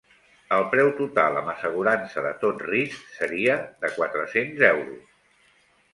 El preu total amb assegurança de tot risc seria de quatre-cents euros.